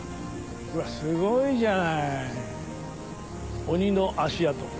うわすごいじゃない鬼の足跡。